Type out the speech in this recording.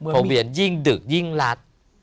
โรงเรียนยิ่งดึกยิ่งรัด